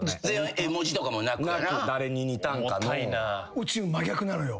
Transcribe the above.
うち真逆なのよ。